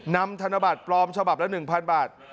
ธนบัตรปลอมฉบับละ๑๐๐บาท